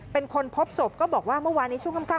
เป็นคนพบศพก็บอกว่าเมื่อวานในช่วงค่ำ